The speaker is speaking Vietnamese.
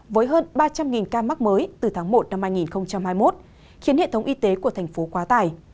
với hơn ba trăm linh ca mắc mới từ tháng một năm hai nghìn hai mươi một khiến hệ thống y tế của thành phố quá tải